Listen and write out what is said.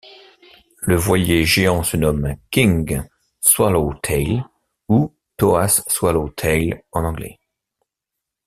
Le Voilier géant se nomme King Swallowtail ou Thoas Swallowtail en anglais.